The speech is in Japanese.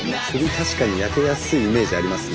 確かに焼けやすいイメージありますね。